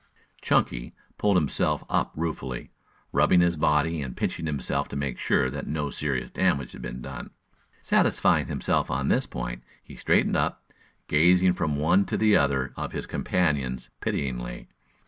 Chunky pulled himself up ruefully, rubbing his body and pinching himself to make sure that no serious damage had been done. Satisfying himself on this point, he straightened up, gazing from one to the other of his companions pityingly.